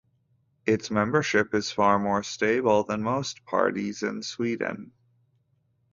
Its membership is far more stable than most parties in Sweden.